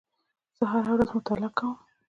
زه هره ورځ مطالعه کوم.